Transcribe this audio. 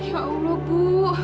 ya allah bu